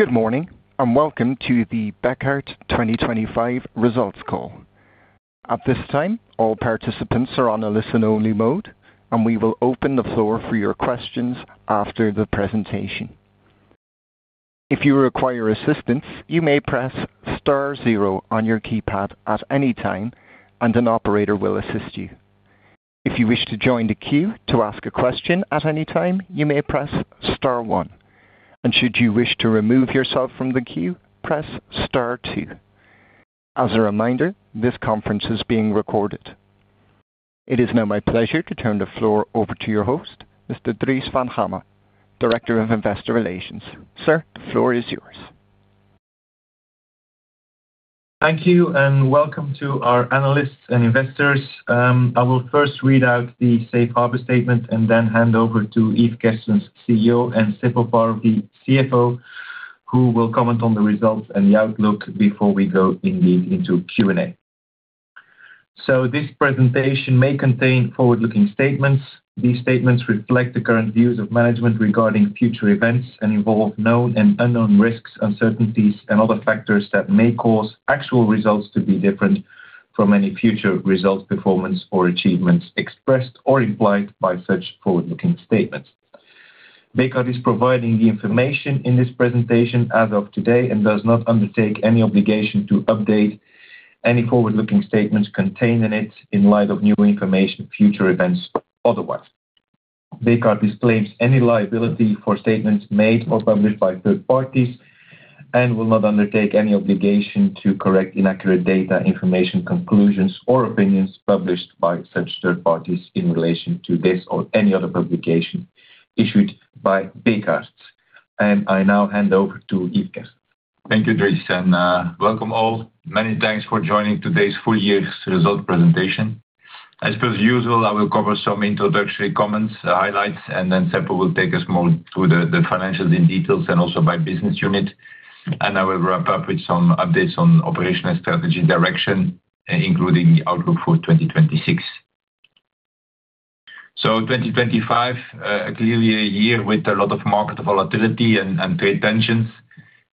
Good morning, and welcome to the Bekaert 2025 results call. At this time, all participants are on a listen-only mode, and we will open the floor for your questions after the presentation. If you require assistance, you may press star 0 on your keypad at any time, and an operator will assist you. If you wish to join the queue to ask a question at any time, you may press star one, and should you wish to remove yourself from the queue, press star two. As a reminder, this conference is being recorded. It is now my pleasure to turn the floor over to your host, Mr. Dries Van Hamme, Director of Investor Relations. Sir, the floor is yours. Thank you. Welcome to our analysts and investors. I will first read out the safe harbor statement, then hand over to Yves Kerstens, CEO, and Seppo Parvi, the CFO, who will comment on the results and the outlook before we go indeed into Q&A. This presentation may contain forward-looking statements. These statements reflect the current views of management regarding future events and involve known and unknown risks, uncertainties, and other factors that may cause actual results to be different from any future results, performance, or achievements expressed or implied by such forward-looking statements. Bekaert is providing the information in this presentation as of today, does not undertake any obligation to update any forward-looking statements contained in it in light of new information, future events, otherwise. Bekaert disclaims any liability for statements made or published by third parties and will not undertake any obligation to correct inaccurate data, information, conclusions, or opinions published by such third parties in relation to this or any other publication issued by Bekaert. I now hand over to Yves Kerstens. Thank you, Dries, and, welcome all. Many thanks for joining today's full year's result presentation. As per usual, I will cover some introductory comments, highlights, and then Seppo will take us more through the financials in details and also by business unit. I will wrap up with some updates on operational strategy direction, including the outlook for 2026. 2025, clearly a year with a lot of market volatility and trade tensions.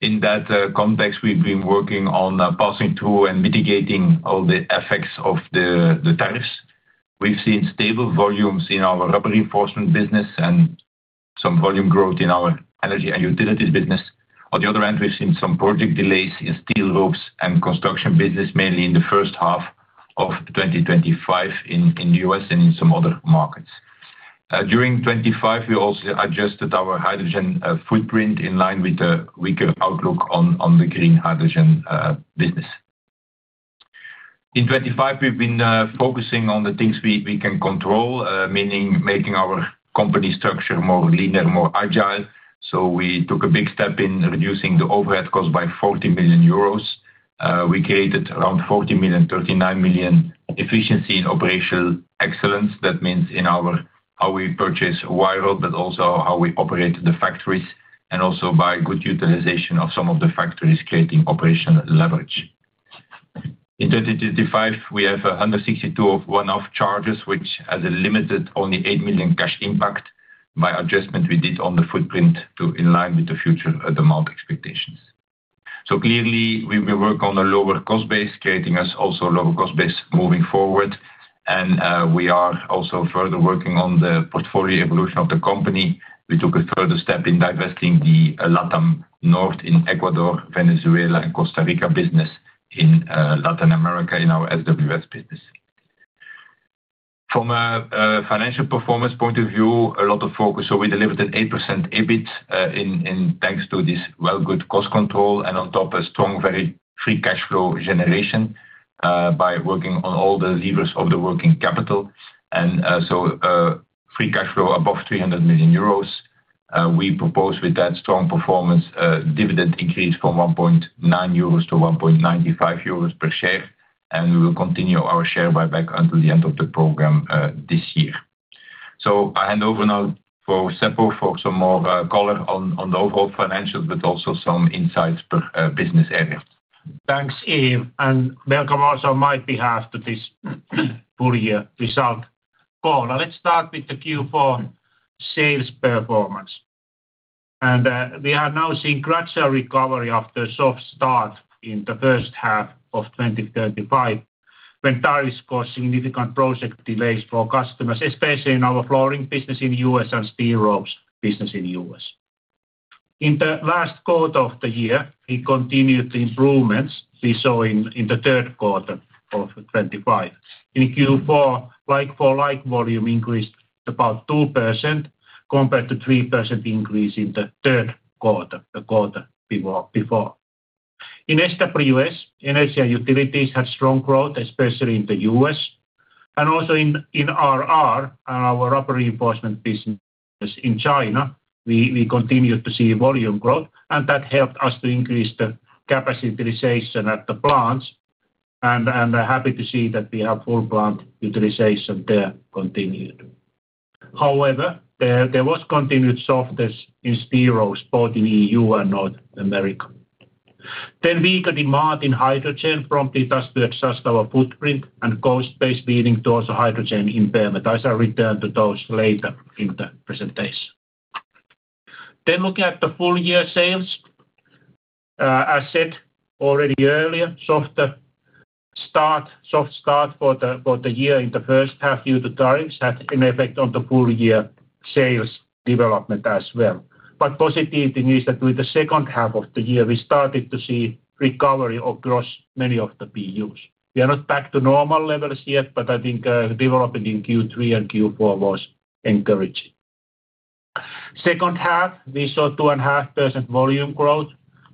In that context, we've been working on passing through and mitigating all the effects of the tariffs. We've seen stable volumes in our Rubber Reinforcement business and some volume growth in our energy and utilities business. On the other end, we've seen some project delays in steel ropes and construction business, mainly in the first half of 2025 in U.S. and in some other markets. During 2025, we also adjusted our hydrogen footprint in line with the weaker outlook on the green hydrogen business. In 2025, we've been focusing on the things we can control, meaning making our company structure more leaner, more agile. We took a big step in reducing the overhead cost by 40 million euros. We created around 40 million, 39 million efficiency in operational excellence. That means how we purchase wire rod, but also how we operate the factories, and also by good utilization of some of the factories creating operational leverage. In 2025, we have 162 of one-off charges, which has a limited only 8 million cash impact by adjustment we did on the footprint to align with the future demand expectations. Clearly, we work on a lower cost base, creating us also a lower cost base moving forward. We are also further working on the portfolio evolution of the company. We took a further step in divesting the Latam North in Ecuador, Venezuela, and Costa Rica business in Latin America, in our SWS business. From a financial performance point of view, a lot of focus. We delivered an 8% EBIT thanks to this well, good cost control, on top, a strong, very free cash flow generation by working on all the levers of the working capital. Free cash flow above 300 million euros. We propose with that strong performance, dividend increase from 1.90-1.95 euros per share, and we will continue our share buyback until the end of the program this year. I hand over now for Seppo for some more color on the overall financials, but also some insights per business area. Thanks, Yves, and welcome also on my behalf to this full year result call. Now, let's start with the Q4 sales performance. We are now seeing gradual recovery after a soft start in the first half of 2035, when tariffs caused significant project delays for our customers, especially in our flooring business in U.S. and steel ropes business in U.S. In the last quarter of the year, we continued the improvements we saw in the third quarter of 2025. In Q4, like-for-like volume increased about 2% compared to 3% increase in the third quarter, the quarter before. In SWUS, energy and utilities had strong growth, especially in the U.S., and also in Rubber Reinforcement, our upper reinforcement business in China, we continued to see volume growth, and that helped us to increase the capacity utilization at the plants. Happy to see that we have full plant utilization there continued. However, there was continued softness in steel ropes, both in EU and North America. Weaker demand in hydrogen prompted us to adjust our footprint and cost base, leading towards a hydrogen impairment, as I'll return to those later in the presentation. Looking at the full year sales, as said already earlier, soft start for the year in the first half due to tires, had an effect on the full year sales development as well. Positivity is that with the second half of the year, we started to see recovery across many of the BUs. We are not back to normal levels yet, but I think the development in Q3 and Q4 was encouraging. Second half, we saw 2.5% volume growth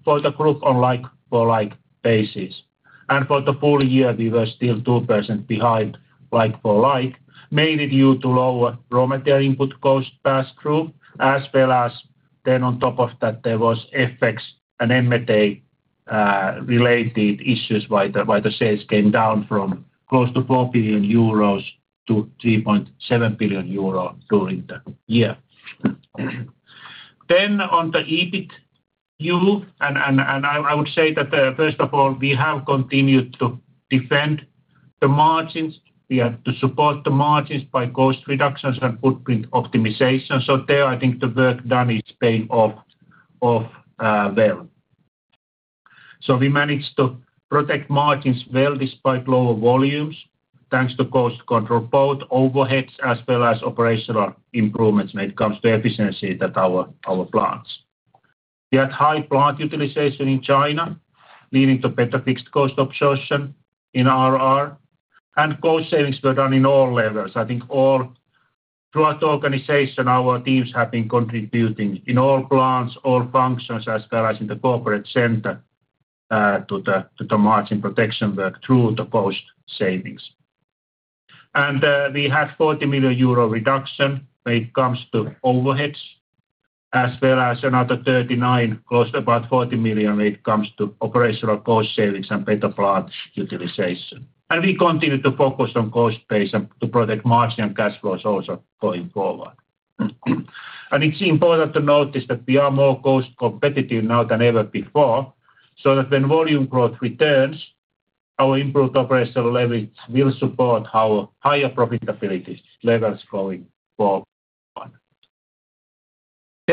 for the group on like-for-like basis, and for the full year, we were still 2% behind like-for-like, mainly due to lower raw material input cost pass-through, as well as on top of that, there was FX and M&A related issues, why the sales came down from close to 4 billion euros to 3.7 billion euro during the year. On the EBIT view, and I would say that, first of all, we have continued to defend the margins. We had to support the margins by cost reductions and footprint optimization. There, I think the work done is paying off well. We managed to protect margins well despite lower volumes, thanks to cost control, both overheads as well as operational improvements when it comes to efficiency at our plants. We had high plant utilization in China, leading to better fixed cost absorption in RR, and cost savings were done in all levels. I think throughout the organization, our teams have been contributing in all plants, all functions, as well as in the corporate center, to the margin protection work through the cost savings. We had 40 million euro reduction when it comes to overheads, as well as another 39, close to about 40 million, when it comes to operational cost savings and better plant utilization. We continue to focus on cost base and to protect margin and cash flows also going forward. It's important to notice that we are more cost competitive now than ever before, so that when volume growth returns, our improved operational leverage will support our higher profitability levels going forward.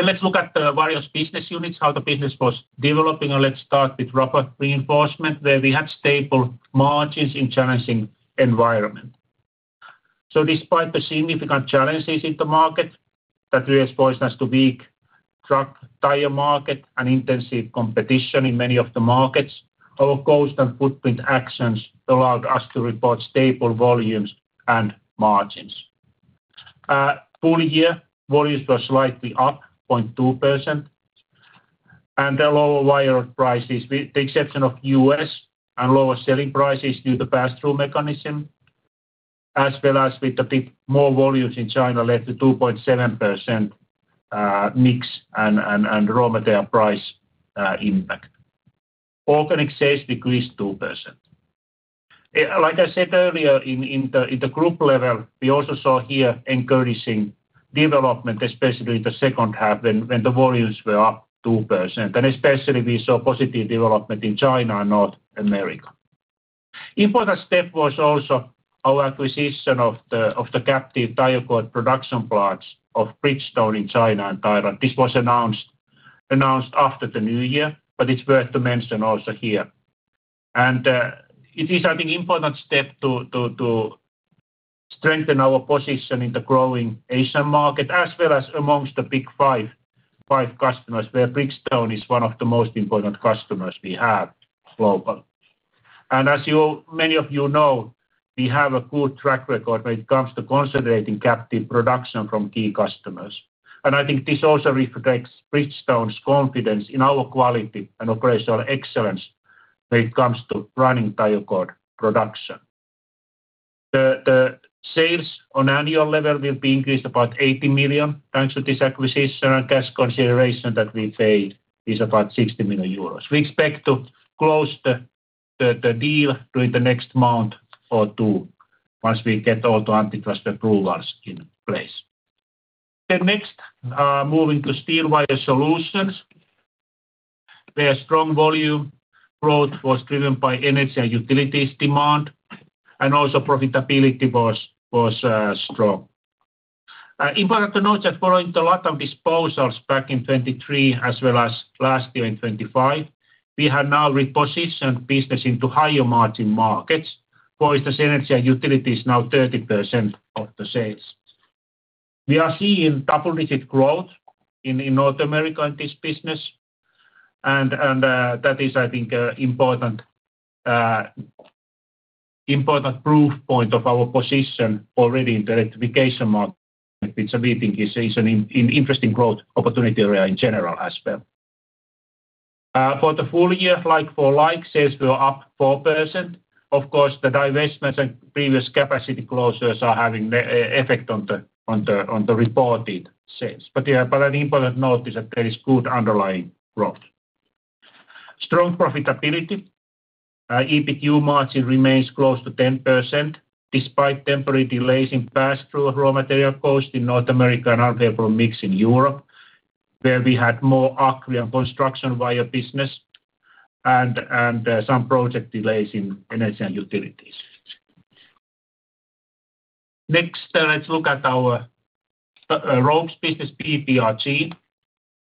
Let's look at the various business units, how the business was developing. Let's start with Rubber Reinforcement, where we had stable margins in challenging environment. Despite the significant challenges in the market that we exposed as to weak truck tire market and intensive competition in many of the markets, our cost and footprint actions allowed us to report stable volumes and margins. Full year, volumes were slightly up 0.2%. The lower wire prices, with the exception of U.S. and lower selling prices, due to pass-through mechanism, as well as with the more volumes in China, led to 2.7% mix and raw material price impact. Organic sales decreased 2%. Like I said earlier, in the group level, we also saw here encouraging development, especially in the second half, when the volumes were up 2%, and especially we saw positive development in China and North America. Important step was also our acquisition of the captive tire cord production plants of Bridgestone in China and Thailand. This was announced after the new year, but it's worth to mention also here. It is, I think, important step to strengthen our position in the growing Asian market, as well as amongst the big five customers, where Bridgestone is one of the most important customers we have global. As many of you know, we have a good track record when it comes to consolidating captive production from key customers. I think this also reflects Bridgestone's confidence in our quality and operational excellence when it comes to running tire cord production. The sales on annual level will be increased about 80 million, thanks to this acquisition and cash consideration that we paid is about 60 million euros. We expect to close the deal during the next month or two, once we get all the antitrust approvals in place. Next, moving to Steel Wire Solutions, where strong volume growth was driven by energy and utilities demand, and also profitability was strong. Important to note that following the Latin disposals back in 2023 as well as last year in 2025, we have now repositioned business into higher margin markets, whereas the energy and utility is now 30% of the sales. We are seeing double-digit growth in North America in this business, and that is, I think, an important proof point of our position already in the electrification market, which we think is an interesting growth opportunity area in general as well. For the full year, like for like, sales were up 4%. Of course, the divestments and previous capacity closures are having effect on the reported sales. An important note is that there is good underlying growth. Our EBITDA margin remains close to 10%, despite temporary delays in pass-through of raw material costs in North America and unfavorable mix in Europe, where we had more agricultural and construction wire business and some project delays in energy and utilities. Let's look at our ropes business, PPRG,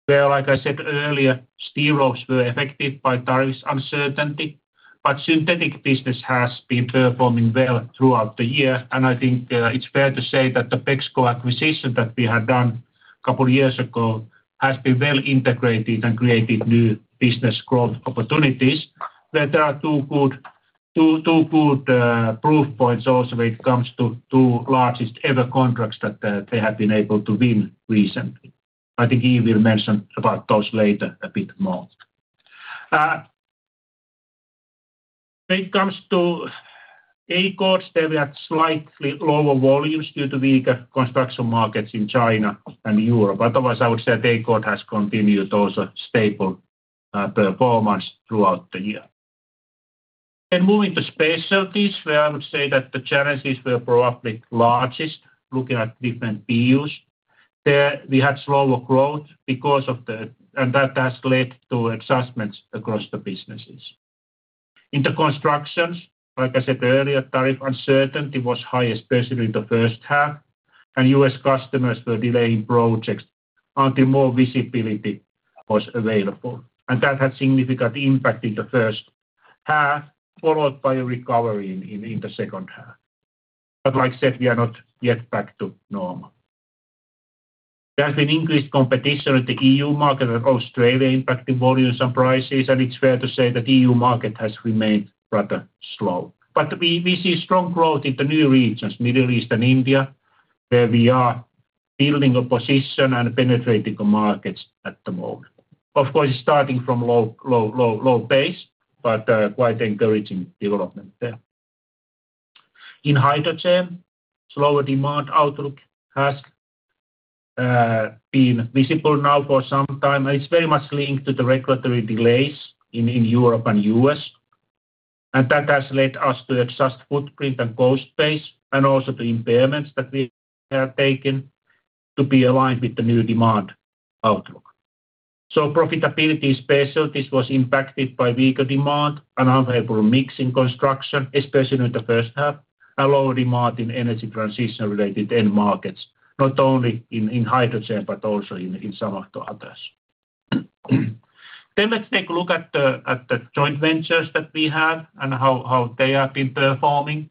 where, like I said earlier, steel ropes were affected by tariffs uncertainty, but synthetic business has been performing well throughout the year, and I think it's fair to say that the BEXCO acquisition that we had done a couple years ago has been well integrated and created new business growth opportunities. There are two good proof points also when it comes to two largest ever contracts that they have been able to win recently. I think he will mention about those later a bit more. When it comes to A-cords, they were at slightly lower volumes due to weaker construction markets in China and Europe. Otherwise, I would say that A-cord has continued also stable performance throughout the year. Moving to specialties, where I would say that the challenges were probably largest, looking at different BUs. There we had slower growth and that has led to adjustments across the businesses. In the constructions, like I said earlier, tariff uncertainty was high, especially in the first half, and U.S. customers were delaying projects until more visibility was available, and that had significant impact in the first half, followed by a recovery in the second half. Like I said, we are not yet back to normal. There has been increased competition at the EU market and Australia, impacting volumes and prices, and it's fair to say that EU market has remained rather slow. We see strong growth in the new regions, Middle East and India, where we are building a position and penetrating the markets at the moment. Of course, starting from low base, but quite encouraging development there. In hydrogen, slower demand outlook has been visible now for some time. It's very much linked to the regulatory delays in Europe and U.S., and that has led us to adjust footprint and cost base, and also the impairments that we have taken to be aligned with the new demand outlook. Profitability specialties was impacted by weaker demand and unfavorable mix in construction, especially in the first half, and low demand in energy transition-related end markets, not only in hydrogen, but also in some of the others. Let's take a look at the joint ventures that we have and how they have been performing.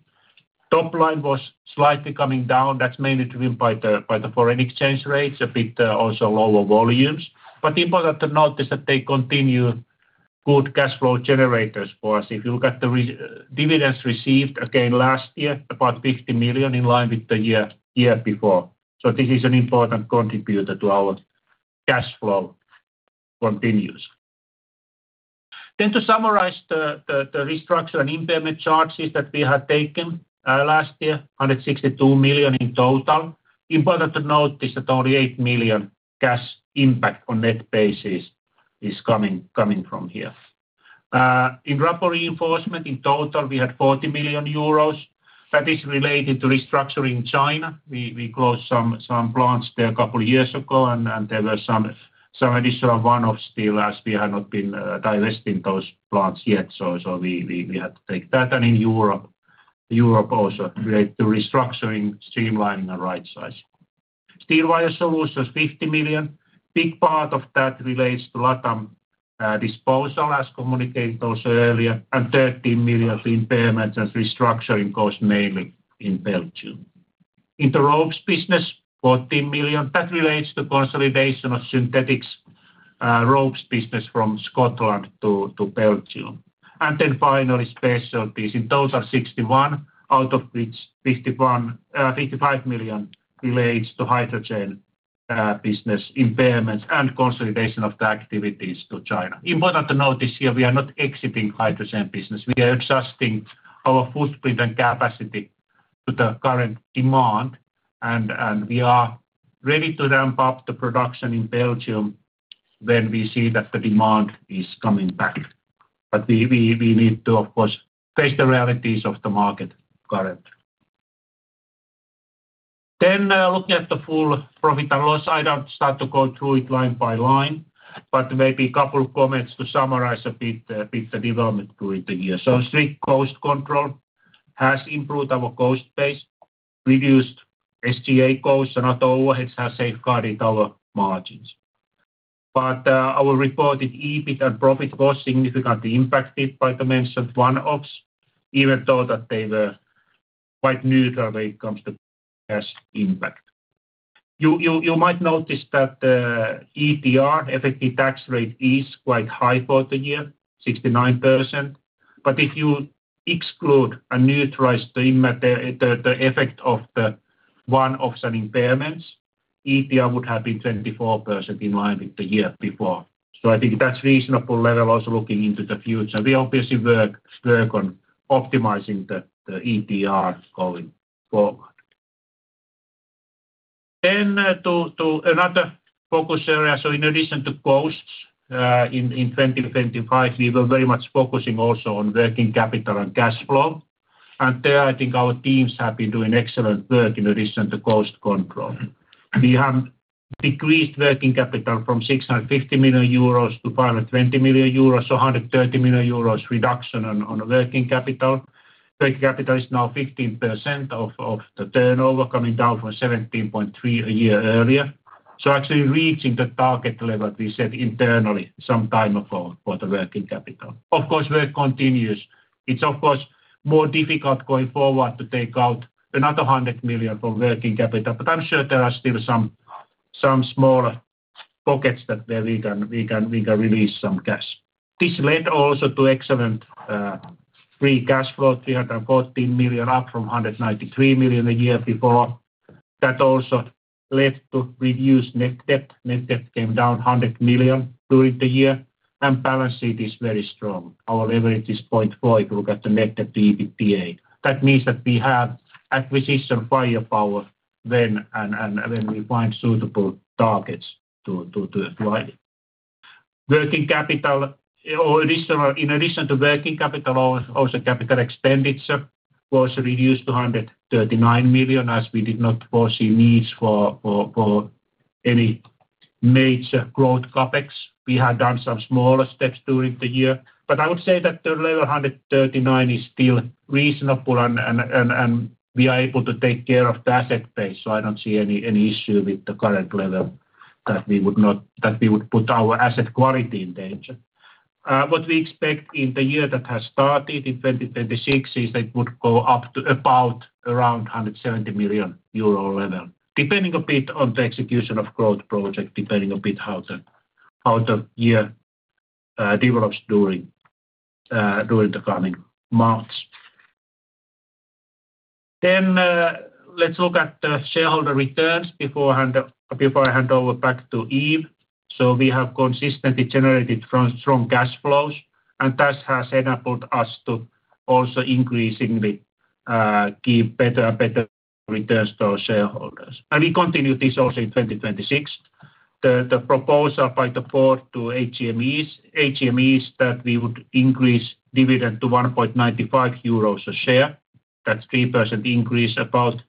Top line was slightly coming down. That's mainly driven by the foreign exchange rates, a bit also lower volumes. Important to note is that they continue good cash flow generators for us. If you look at the dividends received again last year, about 50 million, in line with the year before. This is an important contributor to our cash flow continues. To summarize the restructure and impairment charges that we have taken last year, 162 million in total. Important to note is that only 8 million cash impact on net basis is coming from here. In Rubber Reinforcement, in total, we had 40 million euros. That is related to restructuring China. We closed some plants there a couple of years ago, and there were some additional one-offs still, as we have not been divesting those plants yet. So we had to take that. In Europe also related to restructuring, streamlining, and right sizing. Steel Wire Solutions, 50 million. Big part of that relates to Latam disposal, as communicated also earlier, and 13 million to impairment and restructuring costs, mainly in Belgium. In the Ropes Business, 14 million. That relates to consolidation of synthetics ropes business from Scotland to Belgium. Finally, specialties. In total, 61, out of which 51, 55 million relates to hydrogen business impairments and consolidation of the activities to China. Important to note this year, we are not exiting hydrogen business. We are adjusting our footprint and capacity to the current demand, and we are ready to ramp up the production in Belgium when we see that the demand is coming back. We need to, of course, face the realities of the market currently. Looking at the full profit and loss, I don't start to go through it line by line, but maybe a couple of comments to summarize a bit the development during the year. Strict cost control has improved our cost base, reduced SGA costs and other overheads have safeguarded our margins. Our reported EBIT and profit was significantly impacted by the mentioned one-offs, even though that they were quite neutral when it comes to cash impact. You might notice that the ETR, effective tax rate, is quite high for the year, 69%. If you exclude and neutralize the effect of the one-offs and impairments, ETR would have been 24% in line with the year before. I think that's reasonable level also looking into the future. We obviously work on optimizing the ETR going forward. To another focus area. In addition to costs in 2025, we were very much focusing also on working capital and cash flow. There, I think our teams have been doing excellent work in addition to cost control. We have decreased working capital from 650 million euros to 520 million euros, so 130 million euros reduction on working capital. Working capital is now 15% of the turnover, coming down from 17.3% a year earlier. Actually reaching the target level we set internally some time ago for the working capital. Of course, work continues. It's, of course, more difficult going forward to take out another 100 million from working capital, but I'm sure there are still some smaller pockets that where we can release some cash. This led also to excellent free cash flow, 314 million, up from 193 million a year before. That also led to reduced net debt. Net Debt came down 100 million during the year. Balance sheet is very strong. Our leverage is 0.4, if you look at the Net Debt/EBITDA. That means that we have acquisition firepower when and when we find suitable targets to apply. Working capital or in addition to working capital, also capital expenditures was reduced to 139 million, as we did not foresee needs for any major growth CapEx. We had done some smaller steps during the year. I would say that the level 139 is still reasonable and we are able to take care of the asset base, so I don't see any issue with the current level that we would not that we would put our asset quality in danger. What we expect in the year that has started in 2026, is that it would go up to about around 170 million euro level, depending a bit on the execution of growth project, depending a bit how the year develops during the coming months. Let's look at the shareholder returns before I hand over back to Yves. We have consistently generated strong cash flows, and that has enabled us to also increasingly give better and better returns to our shareholders, and we continue this also in 2026. The proposal by the board to AGM, that we would increase dividend to 1.95 euros a share. That's 3% increase about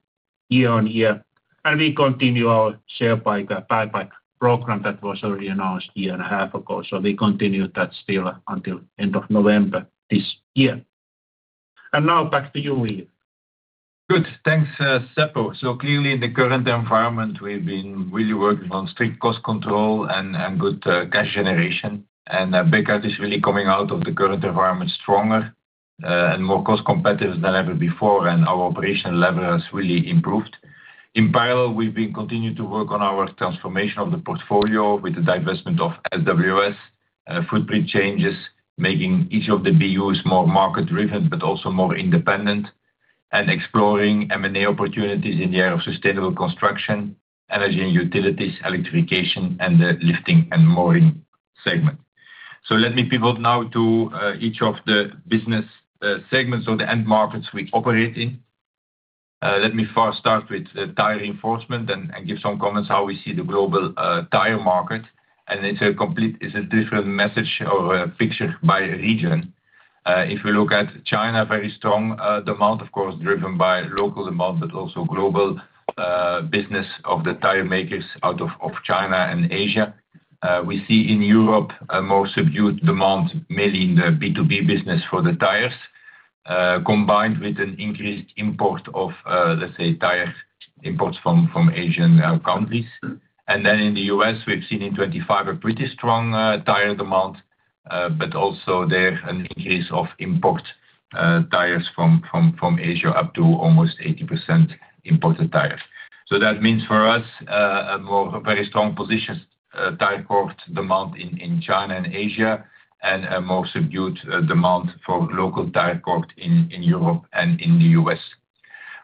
year-over-year, and we continue our share buyback program that was already announced a year and a half ago. We continue that still until end of November this year. Now back to you, Yves. Good. Thanks, Seppo. Clearly, in the current environment, we've been really working on strict cost control and good cash generation. Bekaert is really coming out of the current environment stronger and more cost competitive than ever before, and our operational level has really improved. In parallel, we've been continuing to work on our transformation of the portfolio with the divestment of SWS, footprint changes, making each of the BUs more market-driven, but also more independent, and exploring M&A opportunities in the area of sustainable construction, energy and utilities, electrification, and the lifting and mooring segment. Let me pivot now to each of the business segments or the end markets we operate in. Let me first start with the tire reinforcement and give some comments how we see the global tire market, and it's a complete... It's a different message or a picture by region. If you look at China, very strong demand, of course, driven by local demand, but also global business of the tire makers out of China and Asia. We see in Europe, a more subdued demand, mainly in the B2B business for the tires, combined with an increased import of, let's say, tire imports from Asian countries. In the U.S., we've seen in 25 a pretty strong tire demand, but also there an increase of import tires from Asia, up to almost 80% imported tires. That means for us, a more very strong position, tire cord demand in China and Asia, and a more subdued demand for local tire cord in Europe and in the U.S.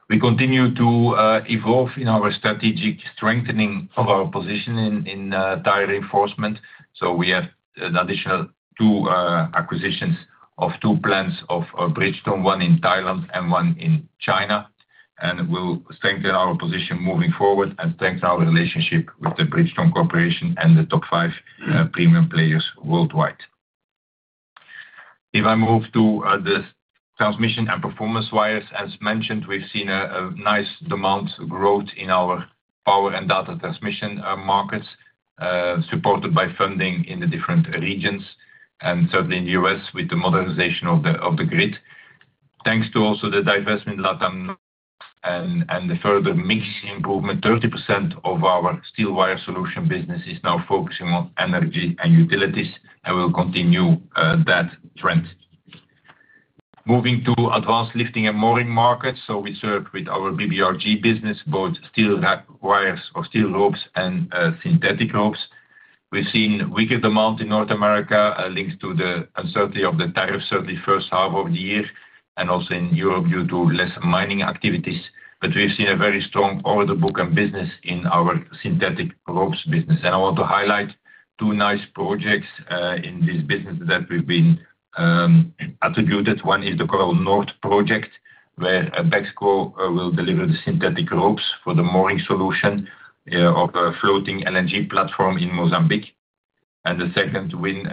We continue to evolve in our strategic strengthening of our position in tire reinforcement. We have an additional two acquisitions of two plants of Bridgestone, one in Thailand and one in China, and will strengthen our position moving forward and strengthen our relationship with the Bridgestone Corporation and the top five premium players worldwide. If I move to the transmission and performance wires, as mentioned, we've seen a nice demand growth in our power and data transmission markets, supported by funding in the different regions, and certainly in the U.S., with the modernization of the grid. Thanks to also the divestment in Latam, and the further mix improvement, 30% of our Steel Wire Solutions business is now focusing on energy and utilities, and we'll continue that trend. Moving to advanced lifting and mooring markets, we serve with our BBRG business, both steel wires or steel ropes and synthetic ropes. We've seen weaker demand in North America, linked to the uncertainty of the tariff, certainly first half of the year, and also in Europe, due to less mining activities. We've seen a very strong order book and business in our synthetic ropes business. I want to highlight two nice projects in this business that we've been attributed. One is the Coral North project, where BEXCO will deliver the synthetic ropes for the mooring solution of a floating LNG platform in Mozambique. The second win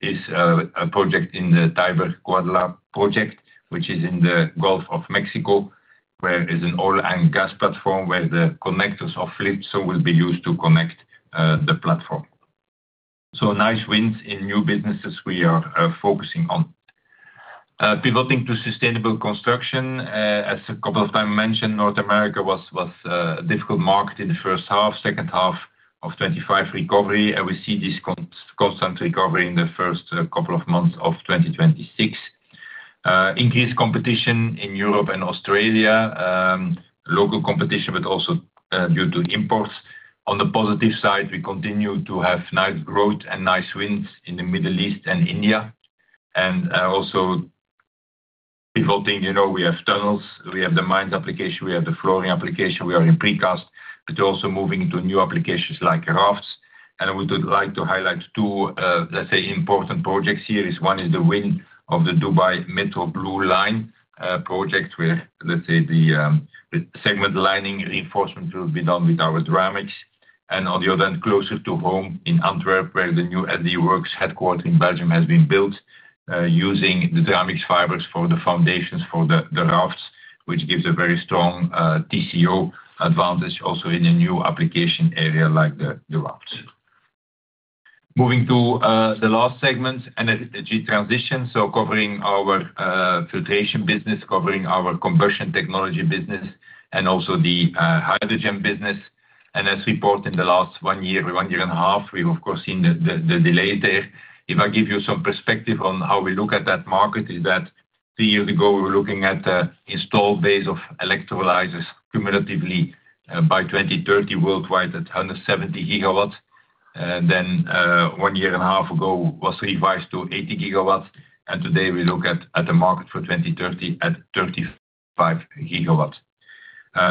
is a project in the Tiber-Guadalupe project, which is in the Gulf of Mexico, where is an oil and gas platform, where the connectors of f will be used to connect the platform. Nice wins in new businesses we are focusing on. Pivoting to sustainable construction, as a couple of time mentioned, North America was a difficult market in the first half, second half of 25 recovery, and we see this constant recovery in the first couple of months of 2026. Increased competition in Europe and Australia, local competition, but also due to imports. On the positive side, we continue to have nice growth and nice wins in the Middle East and India, and also pivoting, you know, we have tunnels, we have the mine application, we have the flooring application, we are in precast, but also moving into new applications like rafts. I would like to highlight two, let's say, important projects here is one is the win of the Dubai Metro Blue Line project, where, let's say, the segment lining reinforcement will be done with our Dramix. On the other, closer to home in Antwerp, where the new AD Works headquarters in Belgium has been built, using the Dramix fibers for the foundations for the rafts, which gives a very strong TCO advantage also in a new application area like the rafts. Moving to the last segment, energy transition. Covering our filtration business, covering our conversion technology business, and also the hydrogen business. As reported in the last one year, one year and a half, we've, of course, seen the delay there. If I give you some perspective on how we look at that market, is that two years ago, we were looking at the installed base of electrolyzers cumulatively by 2030 worldwide at under 70 GW. Then, one year and a half ago was revised to 80 GW. Today we look at the market for 2030 at 35 GW.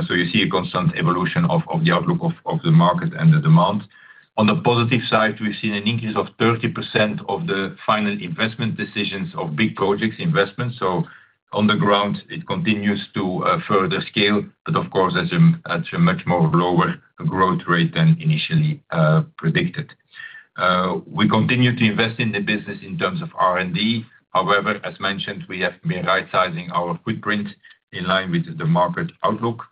You see a constant evolution of the outlook of the market and the demand. On the positive side, we've seen an increase of 30% of the final investment decisions of big projects investment. On the ground, it continues to further scale, but of course, at a much more lower growth rate than initially predicted. We continue to invest in the business in terms of R&D. However, as mentioned, we have been rightsizing our footprint in line with the market outlook.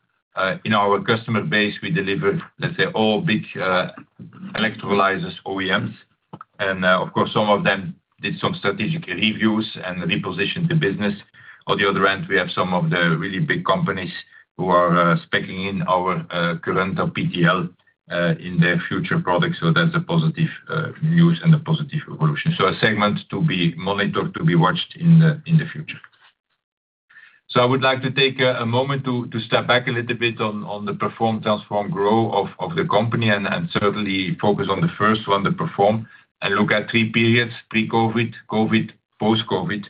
In our customer base, we delivered, let's say, all big electrolyzers OEMs, of course, some of them did some strategic reviews and repositioned the business. On the other end, we have some of the really big companies who are speccing in our current PTL in their future products. That's a positive news and a positive evolution. A segment to be monitored, to be watched in the future. I would like to take a moment to step back a little bit on the perform, transform, grow of the company, and certainly focus on the first one, the perform, and look at three periods, pre-COVID, COVID, post-COVID.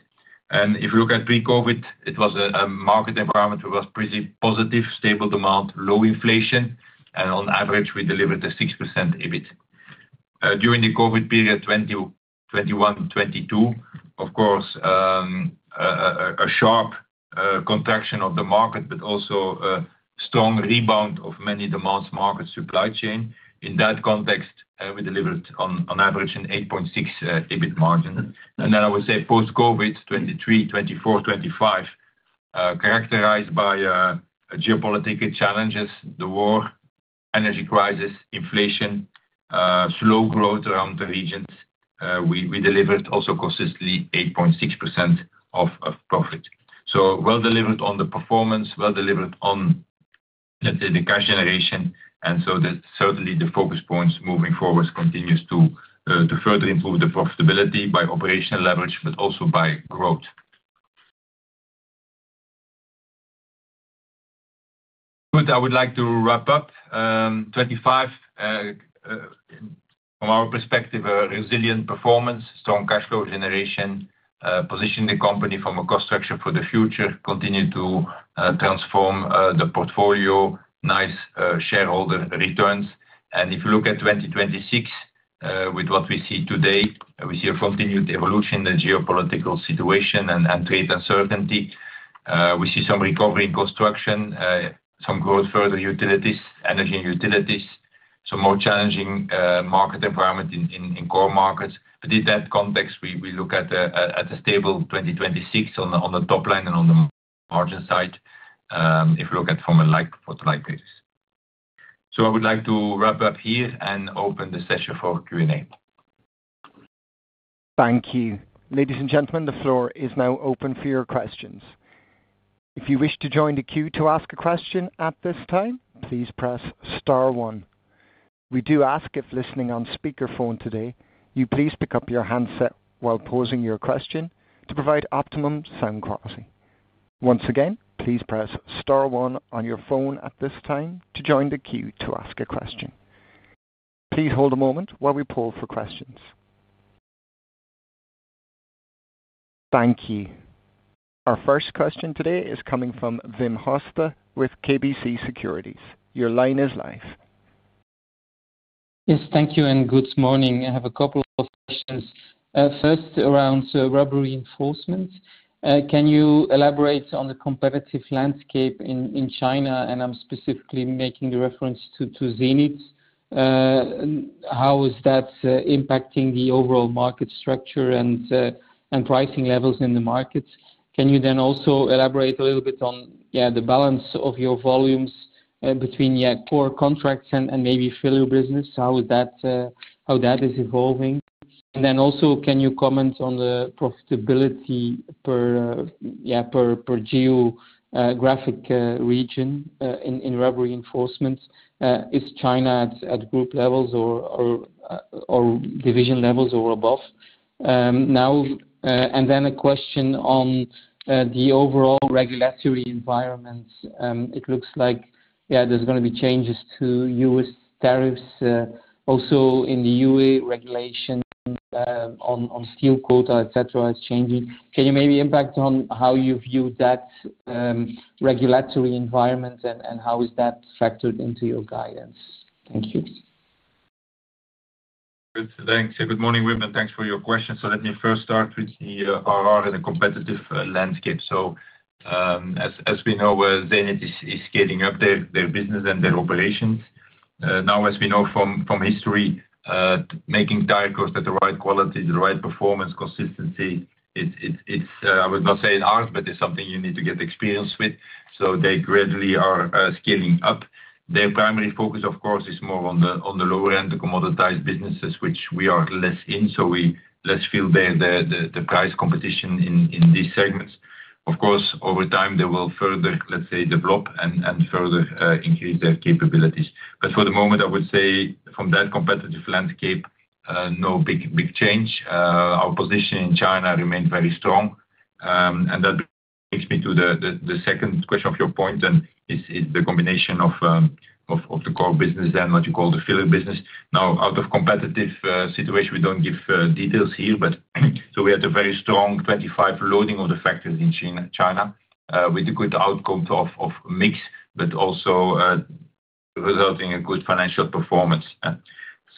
If you look at pre-COVID, it was a market environment. It was pretty positive, stable demand, low inflation, and on average, we delivered a 6% EBIT. During the COVID period, 2020, 2021, 2022, of course, a sharp contraction of the market, but also a strong rebound of many demands, market, supply chain. In that context, we delivered on average, an 8.6% EBIT margin. I would say post-COVID, 2023, 2024, 2025, characterized by geopolitical challenges, the war, energy crisis, inflation, slow growth around the regions. We delivered also consistently 8.6% of profit. Well delivered on the performance, well delivered on the cash generation, the certainly the focus points moving forward continues to further improve the profitability by operational leverage, but also by growth. Good. I would like to wrap up 2025 from our perspective, a resilient performance, strong cash flow generation, position the company from a cost structure for the future, continue to transform the portfolio, nice shareholder returns. If you look at 2026, with what we see today, we see a continued evolution in the geopolitical situation and trade uncertainty. We see some recovery in construction, some growth, further utilities, energy and utilities, some more challenging market environment in core markets. In that context, we look at at a stable 2026 on the top line and on the margin side, if you look at from a like, for like basis. I would like to wrap up here and open the session for Q&A. Thank you. Ladies and gentlemen, the floor is now open for your questions. If you wish to join the queue to ask a question at this time, please press star one. We do ask, if listening on speaker phone today, you please pick up your handset while posing your question to provide optimum sound quality. Once again, please press star one on your phone at this time to join the queue to ask a question. Please hold a moment while we pull for questions. Thank you. Our first question today is coming from Wim Hoste with KBC Securities. Your line is live. Yes, thank you and good morning. I have a couple of questions. First, around Rubber Reinforcement. Can you elaborate on the competitive landscape in China? I'm specifically making a reference to Zenith. How is that impacting the overall market structure and pricing levels in the markets? Can you then also elaborate a little bit on, yeah, the balance of your volumes, between, yeah, core contracts and maybe filler business? How is that evolving. Then also, can you comment on the profitability per, yeah, per geographic region, in Rubber Reinforcement? Is China at group levels or division levels or above? Now, then a question on the overall regulatory environment. It looks like, yeah, there's gonna be changes to U.S. tariffs, also in the EU regulation, on steel quota, et cetera, it's changing. Can you maybe impact on how you view that regulatory environment? How is that factored into your guidance? Thank you. Good. Thanks. Good morning, Wim, and thanks for your questions. Let me first start with the RR and the competitive landscape. As we know, where Zenith is scaling up their business and their operations. As we know from history, making tires at the right quality, the right performance, consistency, it's I would not say it's art, but it's something you need to get experience with. They gradually are scaling up. Their primary focus, of course, is more on the lower end, the commoditized businesses, which we are less in. We less feel the price competition in these segments. Of course, over time, they will further, let's say, develop and further increase their capabilities. For the moment, I would say from that competitive landscape, no big change. Our position in China remains very strong. That brings me to the second question of your point, and is the combination of the core business and what you call the filler business. Now, out of competitive situation, we don't give details here, but so we had a very strong 25 loading of the factories in China, with good outcomes of mix, but also resulting in good financial performance.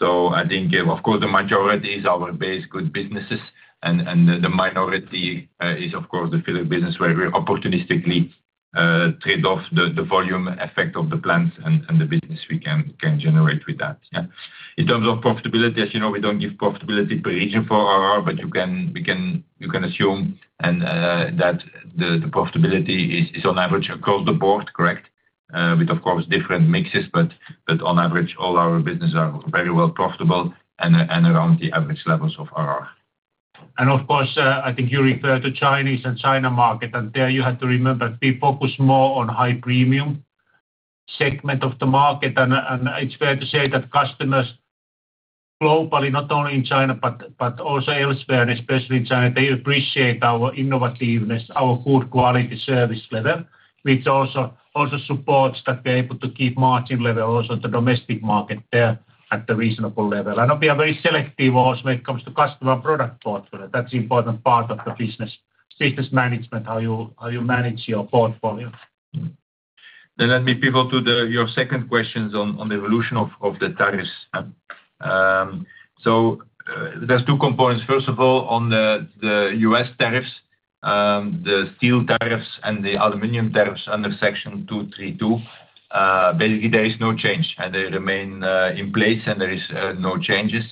I think, of course, the majority is our base good businesses, and the minority is, of course, the filler business, where we opportunistically trade off the volume effect of the plans and the business we can generate with that. In terms of profitability, as you know, we don't give profitability per region for RR, but you can assume and that the profitability is on average across the board, correct? With, of course, different mixes, but on average, all our business are very well profitable and around the average levels of RR. Of course, I think you refer to Chinese and China market, there you have to remember, we focus more on high premium segment of the market. It's fair to say that customers globally, not only in China but also elsewhere, especially in China, they appreciate our innovativeness, our good quality service level, which supports that we're able to keep margin level, also the domestic market there at a reasonable level. We are very selective also when it comes to customer product portfolio. That's important part of the business management, how you manage your portfolio. Let me pivot to your second questions on the evolution of the tariffs. There's two components. First of all, on the U.S. tariffs, the steel tariffs and the aluminum tariffs under Section 232, basically, there is no change, and they remain in place and there is no changes.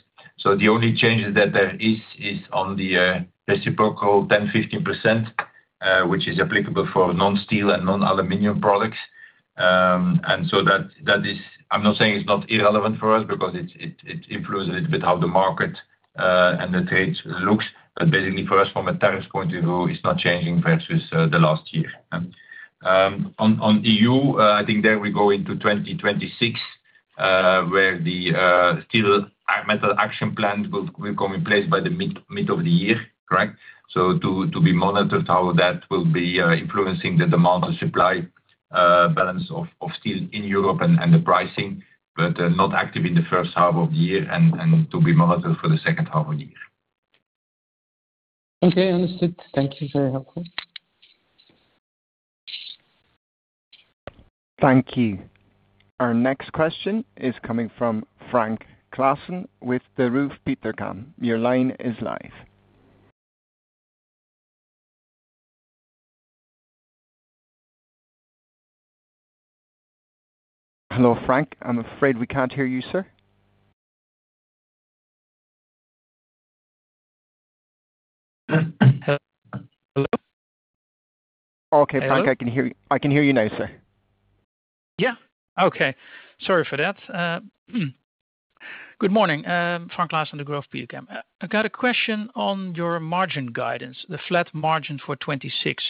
The only change that there is on the reciprocal 10%, 15%, which is applicable for non-steel and non-aluminum products. That is I'm not saying it's not irrelevant for us because it's, it improves a little bit how the market and the trade looks, but basically for us, from a tariffs point of view, it's not changing versus the last year. On EU, I think there we go into 2026, where the European Steel and Metals Action Plan will come in place by the mid of the year, correct? To be monitored, how that will be influencing the demand and supply balance of steel in Europe and the pricing, not active in the first half of the year and to be monitored for the second half of the year. Okay, understood. Thank you. Very helpful. Thank you. Our next question is coming from Frank Claassen with Degroof Petercam. Your line is live. Hello, Frank. I'm afraid we can't hear you, sir. Hello? Frank, I can hear you. I can hear you now, sir. Yeah. Okay. Sorry for that. Good morning, Frank Claassen, Degroof Petercam. I've got a question on your margin guidance, the flat margin for 2026.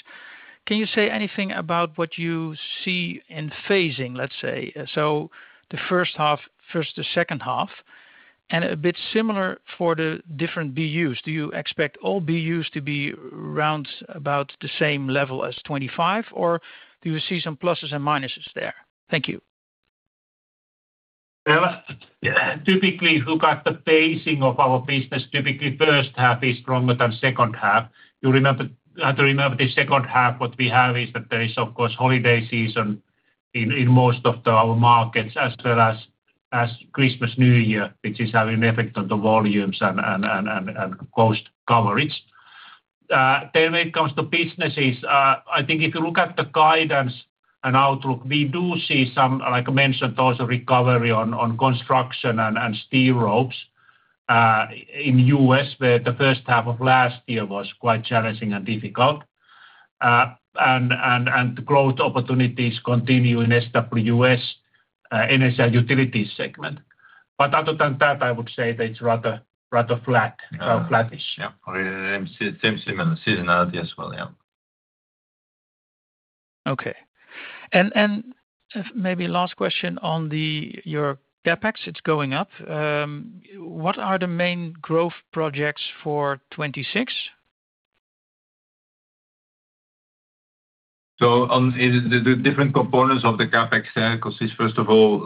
Can you say anything about what you see in phasing, let's say? The first half, first to second half, and a bit similar for the different BUs. Do you expect all BUs to be around about the same level as 2025, or do you see some pluses and minuses there? Thank you. Well, typically, look at the pacing of our business. Typically, first half is stronger than second half. You remember, you have to remember the second half, what we have is that there is, of course, holiday season in most of our markets, as well as Christmas, New Year, which is having an effect on the volumes and cost coverage. When it comes to businesses, I think if you look at the guidance and outlook, we do see some, like I mentioned, also recovery on construction and steel ropes in U.S., where the first half of last year was quite challenging and difficult. And growth opportunities continue in SWUS, North America utilities segment. Other than that, I would say that it's rather flat or flattish. Yeah, same, same seasonality as well. Yeah. Okay. Maybe last question on your CapEx, it's going up. What are the main growth projects for 2026? On the different components of the CapEx consists, first of all,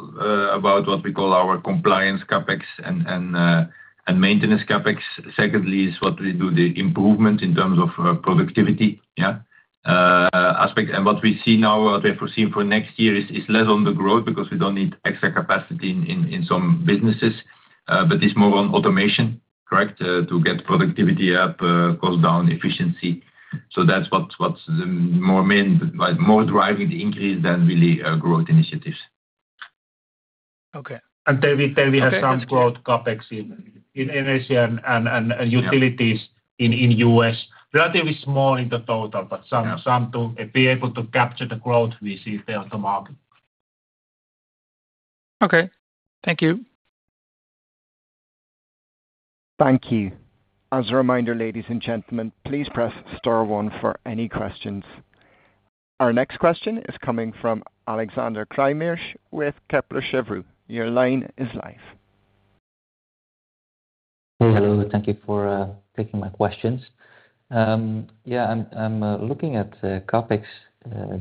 about what we call our compliance CapEx and maintenance CapEx. Secondly, is what we do, the improvement in terms of productivity aspect. And what we see now, what we have foreseen for next year is less on the growth because we don't need extra capacity in some businesses, but it's more on automation, correct? To get productivity up, cost down, efficiency. That's what's the more main, but more driving the increase than really growth initiatives. Okay. We have some growth CapEx in NSA and Utilities in U.S. Relatively small in the total, but some. Yeah. Some to be able to capture the growth we see there on the market. Okay. Thank you. Thank you. As a reminder, ladies and gentlemen, please press star one for any questions. Our next question is coming from Alexandre De Keyzer with Kepler Cheuvreux. Your line is live. Hello, thank you for taking my questions. Yeah, I'm looking at CapEx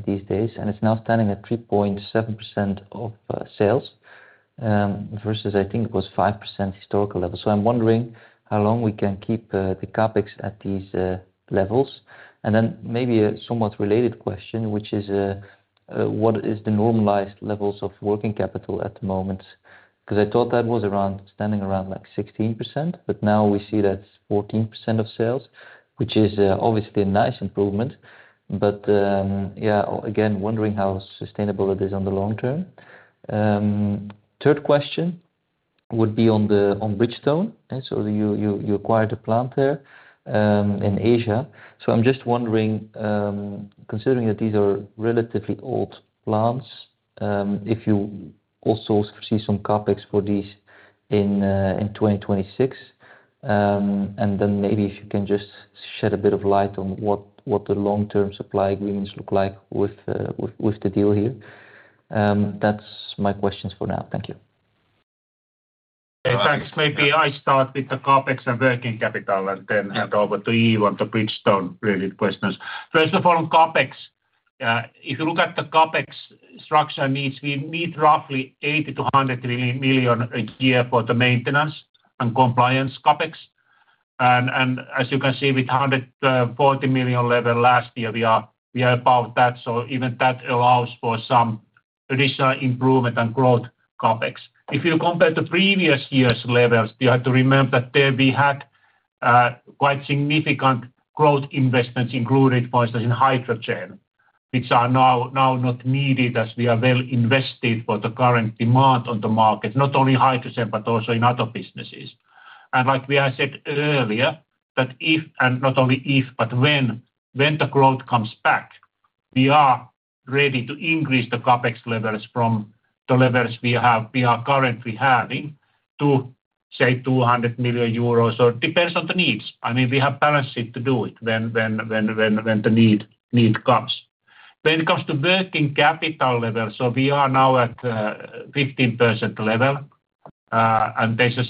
these days, and it's now standing at 3.7% of sales versus I think it was 5% historical level. I'm wondering how long we can keep the CapEx at these levels? Maybe a somewhat related question, which is what is the normalized levels of working capital at the moment? I thought that was standing around like 16%, but now we see that 14% of sales, which is obviously a nice improvement. Yeah, again, wondering how sustainable it is on the long term. Third question would be on the, on Bridgestone. You acquired a plant there in Asia. I'm just wondering, considering that these are relatively old plants, if you also see some CapEx for these in 2026. Maybe if you can just shed a bit of light on what the long-term supply agreements look like with the deal here. That's my questions for now. Thank you. Thanks. Maybe I start with the CapEx and working capital, and then hand over to Yves Kerstens to Bridgestone related questions. First of all, on CapEx. If you look at the CapEx structure needs, we need roughly 80 million-100 million a year for the maintenance and compliance CapEx. As you can see, with 140 million level last year, we are above that. Even that allows for some additional improvement and growth CapEx. If you compare the previous year's levels, you have to remember that there we had quite significant growth investments, including, for instance, in hydrogen, which are now not needed as we are well invested for the current demand on the market, not only hydrogen, but also in other businesses. Like we have said earlier, that if and not only if, but when the growth comes back, we are ready to increase the CapEx levels from the levels we are currently having to, say, 200 million euros, or depends on the needs. I mean, we have balance sheet to do it when the need comes. When it comes to working capital level, we are now at 15% level, and there's a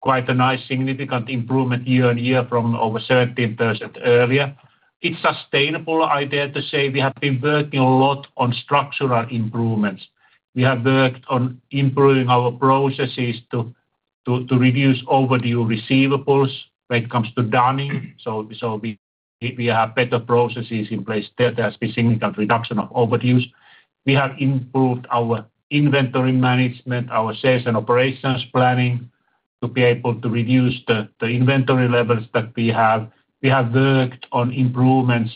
quite a nice significant improvement year on year from over 13% earlier. It's sustainable. I dare to say we have been working a lot on structural improvements. We have worked on improving our processes to reduce overdue receivables when it comes to dunning. So we have better processes in place there. There's been significant reduction of overdues. We have improved our inventory management, our sales and operations planning, to be able to reduce the inventory levels that we have. We have worked on improvements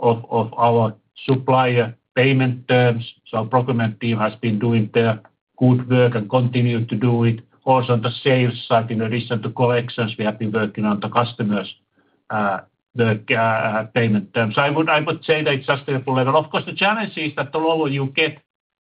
of our supplier payment terms, so our procurement team has been doing their good work and continue to do it. Also, on the sales side, in addition to collections, we have been working on the customers, the payment terms. I would say that it's a sustainable level. Of course, the challenge is that the lower you get,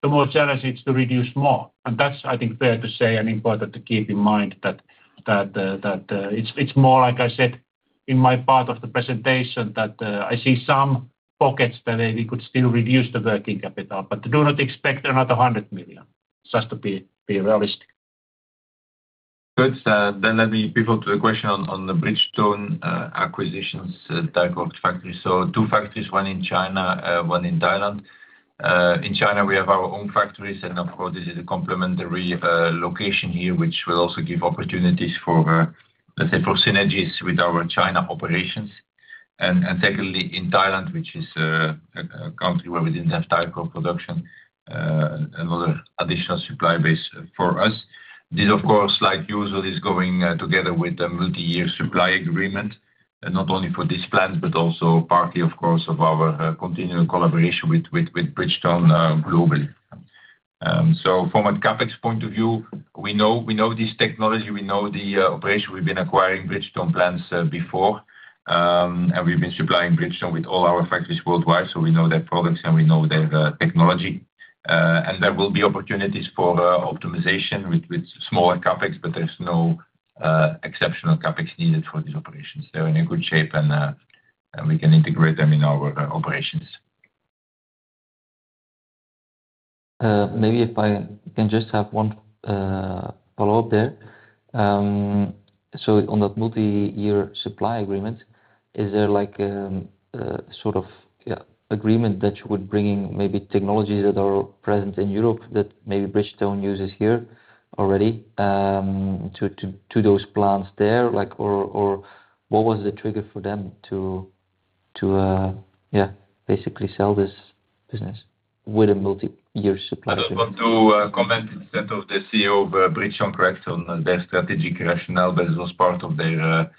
the more challenge it's to reduce more. That's, I think, fair to say and important to keep in mind that it's more, like I said in my part of the presentation, that I see some pockets that we could still reduce the working capital, but do not expect another 100 million. Just to be realistic. Good. Let me pivot to a question on the Bridgestone acquisitions, tire cord factory. Two factories, one in China, one in Thailand. In China, we have our own factories, and of course, this is a complementary location here, which will also give opportunities for, let's say, for synergies with our China operations. Secondly, in Thailand, which is a country where we didn't have tire cord production, another additional supply base for us. This, of course, like usual, is going together with a multi-year supply agreement, not only for this plant, but also part of course, of our continuing collaboration with Bridgestone globally. From a CapEx point of view, we know this technology, we know the operation. We've been acquiring Bridgestone plants before. We've been supplying Bridgestone with all our factories worldwide, so we know their products, and we know their technology. There will be opportunities for optimization with smaller CapEx, but there's no exceptional CapEx needed for these operations. They're in a good shape, we can integrate them in our operations. maybe if I can just have one follow-up there. On that multi-year supply agreement, is there like sort of, yeah, agreement that you would bring in maybe technologies that are present in Europe, that maybe Bridgestone uses here already, to those plants there? Like, or what was the trigger for them to, yeah, basically sell this business with a multi-year supply? I don't want to comment instead of the CEO of Bridgestone, correct, on their strategic rationale. It was part of their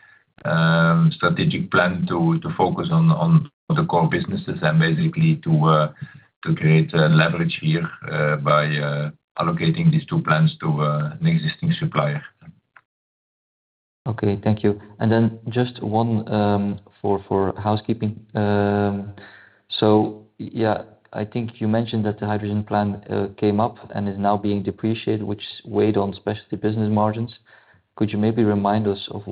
strategic plan to focus on the core businesses and basically to create a leverage here by allocating these two plans to an existing supplier. Okay, thank you. Just one, for housekeeping. I think you mentioned that the hydrogen plan came up and is now being depreciated, which weighed on specialty business margins. Could you maybe remind us of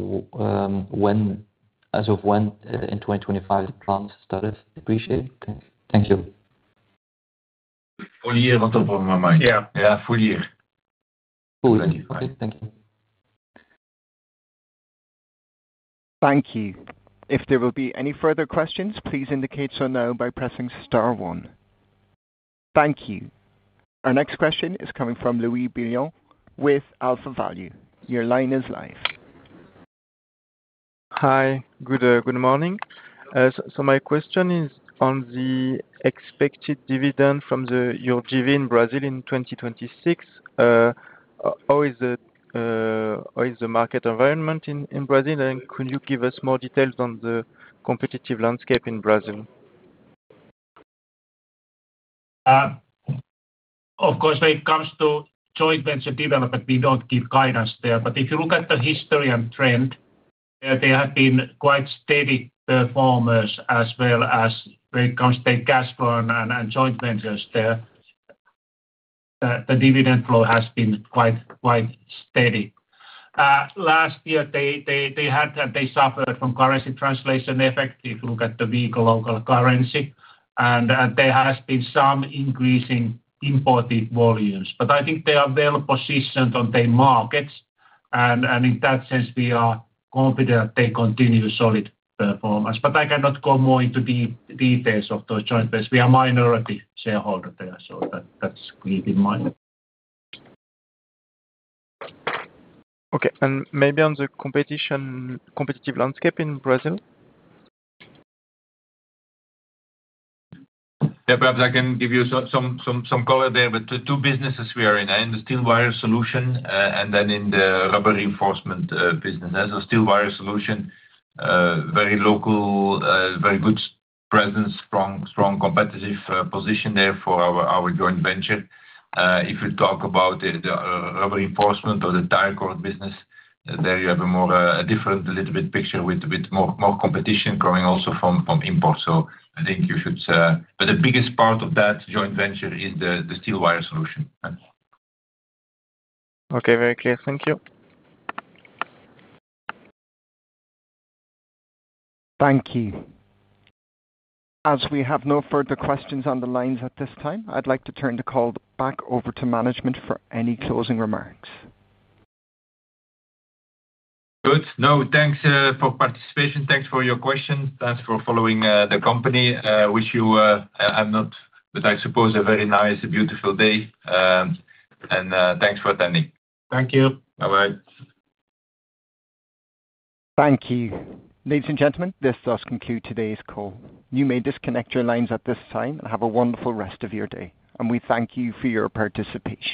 as of when in 2025 the plans started appreciating? Thank you. Full year on top of my mind. Yeah. Yeah, full year. Cool. Okay, thank you. Thank you. If there will be any further questions, please indicate so now by pressing star one. Thank you. Our next question is coming from Louis Billon with AlphaValue. Your line is live. Hi, good morning. My question is on the expected dividend from the, your JV in Brazil in 2026. How is the market environment in Brazil? Could you give us more details on the competitive landscape in Brazil? Of course, when it comes to joint venture development, we don't give guidance there. If you look at the history and trend, they have been quite steady performers as well as when it comes to cash flow and joint ventures there. The dividend flow has been quite steady. Last year, they suffered from currency translation effect if you look at the weak local currency, and there has been some increasing imported volumes. I think they are well positioned on their markets, and in that sense, we are confident they continue solid performance. I cannot go more into the details of those joint ventures. We are a minority shareholder there, so that's keep in mind. Okay, maybe on the competition, competitive landscape in Brazil? Yeah, perhaps I can give you some color there. The two businesses we are in the Steel Wire Solutions, and then in the Rubber Reinforcement business. Steel Wire Solutions, very local, very good presence, strong competitive position there for our joint venture. If you talk about the Rubber Reinforcement or the tire cord business, there you have a more a different little bit picture with more competition coming also from import. I think you should. The biggest part of that joint venture is the Steel Wire Solutions. Okay. Very clear. Thank you. Thank you. As we have no further questions on the lines at this time, I'd like to turn the call back over to management for any closing remarks. Good. Now, thanks for participation. Thanks for your questions. Thanks for following the company. Wish you I'm not, but I suppose a very nice, beautiful day, and thanks for attending. Thank you. Bye-bye. Thank you. Ladies and gentlemen, this does conclude today's call. You may disconnect your lines at this time and have a wonderful rest of your day. We thank you for your participation.